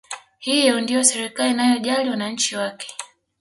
Hiyo ndiyo serikali inayojali wananchi wake